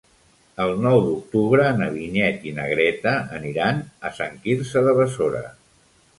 El nou d'octubre na Vinyet i na Greta aniran a Sant Quirze de Besora.